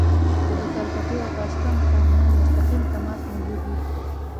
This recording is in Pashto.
که د کلکتې او تاشکند ترمنځ مستقیم تماس موجود وي.